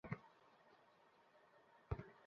যদি মিথ্যাই বলে থাকি, তাহলে আরো বাড়িয়ে বলতাম।